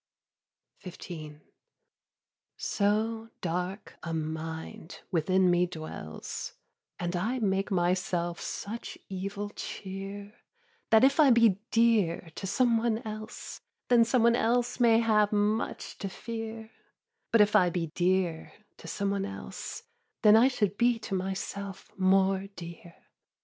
XV. So dark a mind within me dwells, And I make myself such evil cheer, That if I be dear to some one else, Then some one else may have much to fear; But if I be dear to some one else, Then I should be to myself more dear.